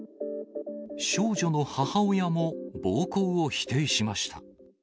少女の母親も暴行を否定しました。